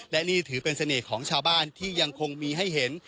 และนี่ถือเป็นเสน่ห์ของชาวบ้านที่ยังคงมีให้เห็น